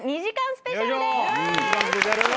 スペシャルです。